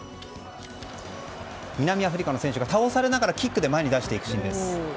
南アフリカの選手が倒されながらキックで前に出していくシーンです。